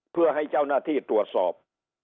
เพื่อให้เจ้าหน้าที่ตรวจสอบ